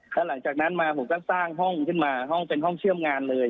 แล้วหลังจากนั้นมาผมก็สร้างห้องขึ้นมาห้องเป็นห้องเชื่อมงานเลย